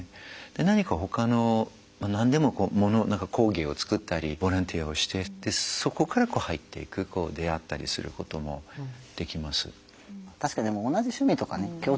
何かほかの何でも物工芸を作ったりボランティアをしてそこから入っていく出会ったりすることもできます。